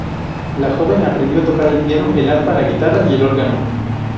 La joven aprendió a tocar el piano, el arpa, la guitarra y el órgano.